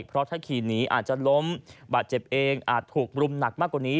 เพราะถ้าขี่หนีอาจจะล้มบาดเจ็บเองอาจถูกรุมหนักมากกว่านี้